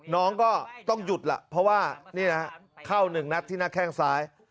น้องก็ต้องหยุดล่ะเพราะว่านี่นะฮะเข้าหนึ่งนัดที่หน้าแข้งซ้าย